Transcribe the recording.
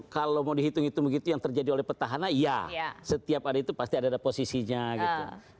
kalau mau dihitung hitung begitu yang terjadi oleh petahana ya setiap hari itu pasti ada posisinya gitu